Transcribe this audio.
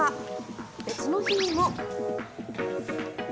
別の日にも。